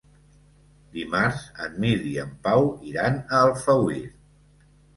Dimarts en Mirt i en Pau iran a Alfauir.